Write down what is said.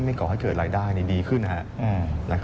ก่อให้เกิดรายได้ดีขึ้น